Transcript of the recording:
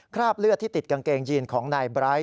คราบเลือดที่ติดกางเกงยีนของนายไบร์ท